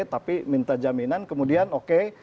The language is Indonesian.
tapi minta jaminan kemudian oke